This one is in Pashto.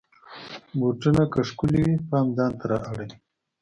بوټونه که ښکلې وي، پام ځان ته را اړوي.